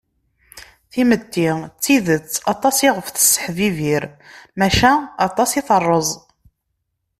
Timetti d tidet aṭas i ɣef tesseḥbiber maca aṭas i terreẓ.